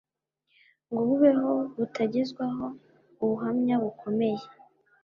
ngo bubeho butagezwaho ubuhamya bukomeye